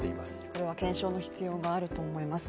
これは検証の必要があると思います。